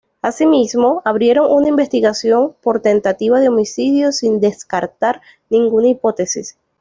Asimismo, abrieron una investigación por tentativa de homicidio sin descartar ninguna hipótesis.